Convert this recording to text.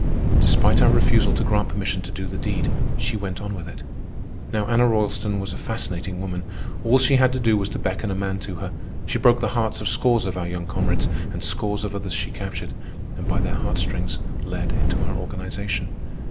Despite our refusal to grant permission to do the deed, she went on with it. Now Anna Roylston was a fascinating woman. All she had to do was to beckon a man to her. She broke the hearts of scores of our young comrades, and scores of others she captured, and by their heart strings led into our organization.